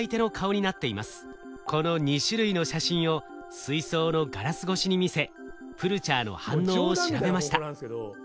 この２種類の写真を水槽のガラス越しに見せプルチャーの反応を調べました。